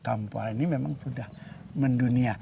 kampung ini memang sudah mendunia